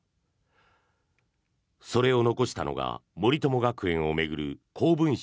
それを残したのが森友学園を巡る公文書